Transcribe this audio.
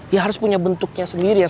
ya harus punya bentuknya sendiri